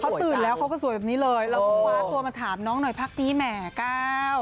เขาตื่นแล้วเขาก็สวยแบบนี้เลยเราก็คว้าตัวมาถามน้องหน่อยพักนี้แหมเก้า